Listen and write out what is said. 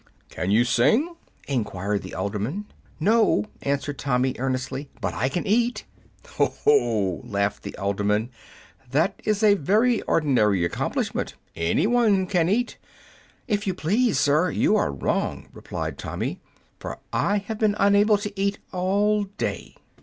"Can you sing?" enquired the alderman. "No," answered Tommy, earnestly, "but I can eat." "Ho, ho!" laughed the alderman, "that is a very ordinary accomplishment. Anyone can eat." "If it please you, sir, you are wrong," replied Tommy, "for I have been unable to eat all day."